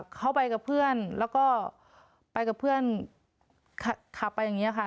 เขาไปกับเพื่อนแล้วก็ไปกับเพื่อนขับไปอย่างนี้ค่ะ